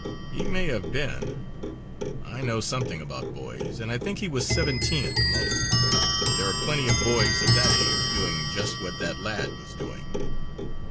He may have been. I know something about boys, and I think he was seventeen at the most. There are plenty of boys of that age doing just what that lad was doing.